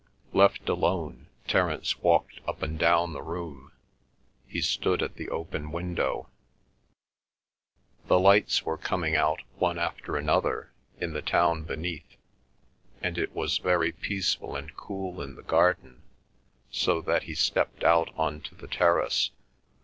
Left alone, Terence walked up and down the room; he stood at the open window. The lights were coming out one after another in the town beneath, and it was very peaceful and cool in the garden, so that he stepped out on to the terrace.